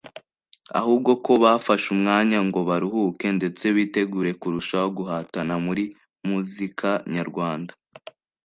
ahubwo ko bafashe umwanya ngo baruhuke ndetse bitegure kurushaho guhatana muri muzika nyarwanda